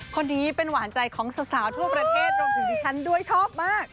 คนนี้เป็นหวานใจของสาวทั่วประเทศรวมถึงดิฉันด้วยชอบมาก